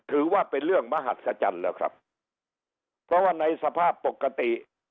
ถือว่าเป็นเรื่องมหัศจรรย์แล้วครับเพราะว่าในสภาพปกติ